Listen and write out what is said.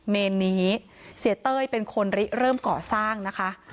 เมนนี้เสียเต้ยเป็นคนริเริ่มก่อสร้างนะคะ